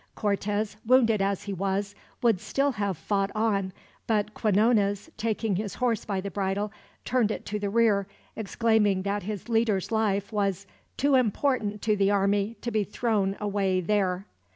Cortez, wounded as he was, would still have fought on; but Quinones, taking his horse by the bridle, turned it to the rear, exclaiming that his leader's life was "too important to the army to be thrown away there!"